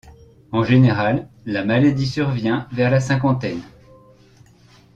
En général, la maladie survient vers la cinquantaine.